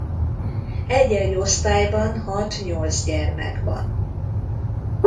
Egy-egy osztályban hat-nyolc gyermek van.